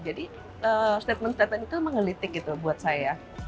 jadi statement statement itu emang ngelitik gitu buat saya